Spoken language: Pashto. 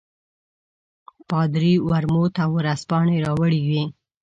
پادري ورموت او ورځپاڼې راوړې وې.